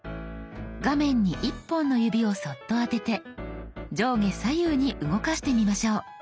画面に１本の指をそっと当てて上下左右に動かしてみましょう。